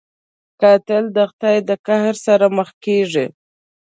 قاتل د خدای د قهر سره مخ کېږي